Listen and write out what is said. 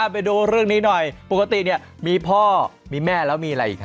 ไปดูเรื่องนี้หน่อยปกติมีพ่อมีแม่แล้วมีอะไรอีก